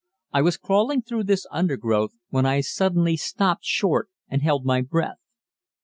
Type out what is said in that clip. I was crawling through this undergrowth when I suddenly stopped short and held my breath.